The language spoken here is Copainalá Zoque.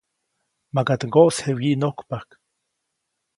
-Makaʼt ŋgoʼsje wyinojkpajk.-